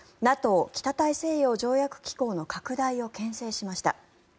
ＮＡＴＯ・北大西洋条約機構の拡大をけん制しました。